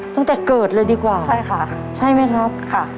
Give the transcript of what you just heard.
ตั้งแต่เกิดเลยดีกว่าใช่มั้ยครับแม่ครับค่ะ